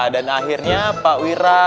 dan akhirnya pak wirah